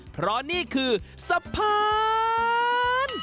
เพราะนี่คือสะพาน